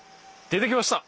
出てきました。